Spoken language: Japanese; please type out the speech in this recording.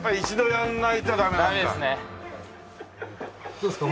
どうですか？